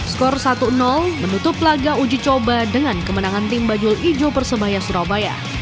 skor satu menutup laga uji coba dengan kemenangan tim bajul ijo persebaya surabaya